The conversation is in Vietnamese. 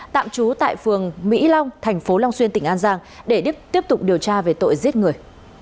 tạm trú tại phường mỹ long thành phố long xuyên tỉnh an giang để đức tiếp tục điều tra về tội giết người